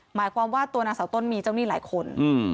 หมายความว่าตัวนางสาวต้นมีเจ้าหนี้หลายคน